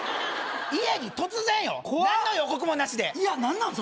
家に突然よ何の予告もなしで怖っ何なんそれ？